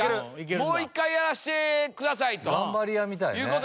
もう１回やらせてくださいと。